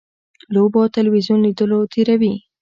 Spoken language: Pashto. لوبو او تلویزیون لیدلو تېروي.